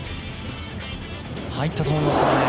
入ったと思いましたね。